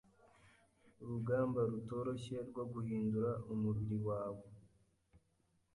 urugugamba rutoroshye rwo guhindura umubiri wawe